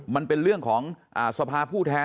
มันเป็นเรื่องของสภาผู้แทน